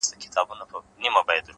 • روح مي نیم بسمل نصیب ته ولیکم,